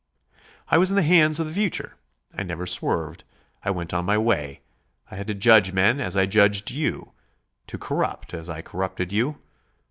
"I was in the hands of the future; I never swerved; I went on my way. I had to judge men as I judged you; to corrupt, as I corrupted you.